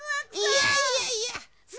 いやいやいや！